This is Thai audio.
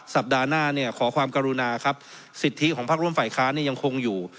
สัปดาห์หน้าเนี่ยขอความกรุณาครับสิทธิของพักร่วมฝ่ายค้านเนี่ยยังคงอยู่